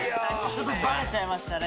ちょっとバレちゃいましたね